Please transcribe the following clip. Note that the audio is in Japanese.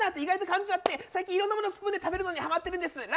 おいしく感じちゃって最近いろんなものスプーンで食べるのにハマってるんです。